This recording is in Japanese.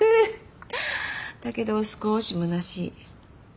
だけど少しむなしい。